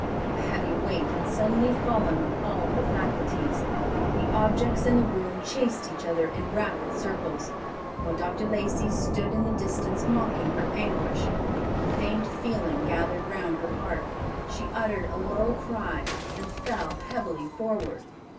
A heavy weight had suddenly fallen on all her faculties. The objects in the room chased each other in rapid circles, while Dr. Lacey stood in the distance mocking her anguish. A faint feeling gathered round her heart. She uttered a low cry and fell heavily forward.